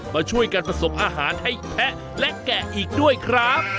มาช่วยกันผสมอาหารให้แพะและแกะอีกด้วยครับ